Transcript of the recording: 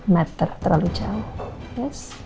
matter terlalu jauh